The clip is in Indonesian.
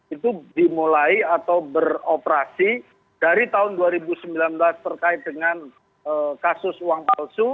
itu dimulai atau beroperasi dari tahun dua ribu sembilan belas terkait dengan kasus uang palsu